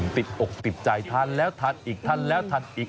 ติดอกติดใจทานแล้วทานอีกทานแล้วทานอีก